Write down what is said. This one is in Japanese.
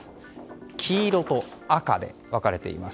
黄色と赤で分かれています。